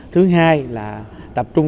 thứ hai là tập trung